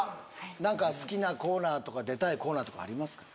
何か好きなコーナーとか出たいコーナーとかありますか？